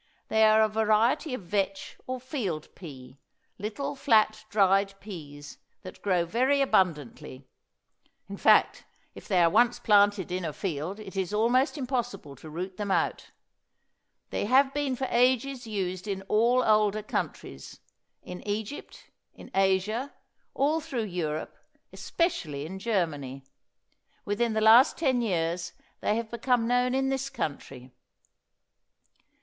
They are a variety of vetch or field pea, little flat, dried peas, that grow very abundantly; in fact, if they are once planted in a field it is almost impossible to root them out. They have been for ages used in all older countries, in Egypt, in Asia, all through Europe, especially in Germany. Within the last ten years they have become known in this country.